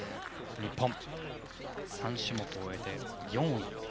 日本は３種目を終えて４位。